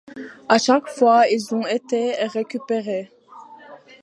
À chaque fois ils ont été récupérés.